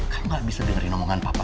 kamu gak bisa dengerin omongan papa